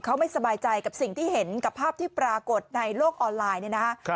เขาไม่สบายใจกับสิ่งที่เห็นกับภาพที่ปรากฏในโลกออนไลน์เนี่ยนะฮะ